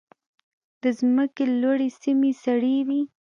د ځمکې لوړې سیمې سړې وي.